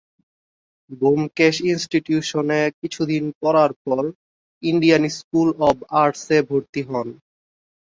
ব্যোমকেশ ইনস্টিটিউশনে কিছুদিন পড়ার পর ইন্ডিয়ান স্কুল অব আর্টসে ভরতি হন।